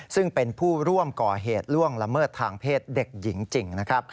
ซึ่งเป็นผู้ร่วมก่อเหตุล่วงละเมิดทางเพศเด็กหญิงจริงนะครับ